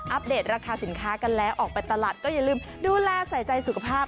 เดตราคาสินค้ากันแล้วออกไปตลาดก็อย่าลืมดูแลใส่ใจสุขภาพ